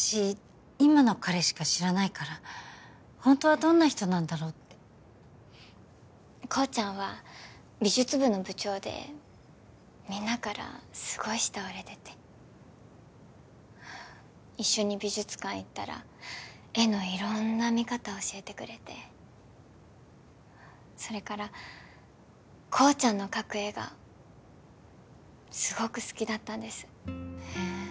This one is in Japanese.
今の彼しか知らないからホントはどんな人なんだろうってコウちゃんは美術部の部長でみんなからすごい慕われてて一緒に美術館行ったら絵のいろんな見方を教えてくれてそれからコウちゃんの描く絵がすごく好きだったんですへえ